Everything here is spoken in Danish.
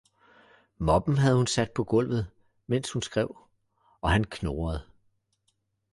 Moppen havde hun sat på gulvet, mens hun skrev, og han knurrede